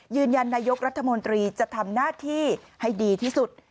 นายกรัฐมนตรีจะทำหน้าที่ให้ดีที่สุด